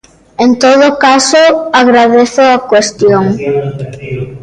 En todo caso, agradezo a cuestión.